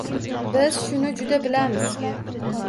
Biz shuni juda bilamiz.